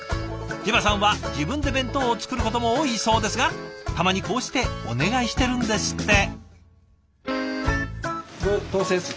ＪＥＶＡさんは自分で弁当を作ることも多いそうですがたまにこうしてお願いしてるんですって。